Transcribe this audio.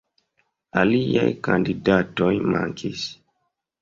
Aliaj kandidatoj mankis.